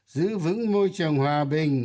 giữ vững môi trường hòa bình